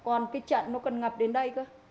còn cái trận nó cần ngập đến đây cơ